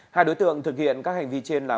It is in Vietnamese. hai đối tượng thực hiện các hành vi trên là